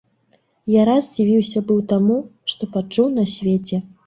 Я раз здзівіўся быў таму, што пачуў на свеце.